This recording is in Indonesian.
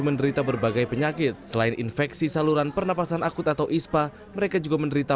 menderita berbagai penyakit selain infeksi saluran pernapasan akut atau ispa mereka juga menderita